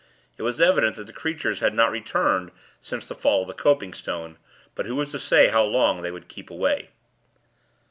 It was evident that the creatures had not returned since the fall of the copingstone; but who was to say how long they would keep away?